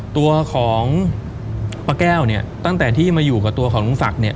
ตัวของป้าแก้วเนี่ยตั้งแต่ที่มาอยู่กับตัวของลุงศักดิ์เนี่ย